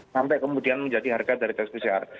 sampai kemudian menjadi harga dari tes pcr